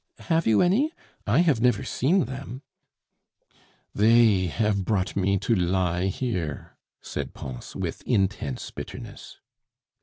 Have you any? I have never seen them " "They have brought me to lie here," said Pons, with intense bitterness.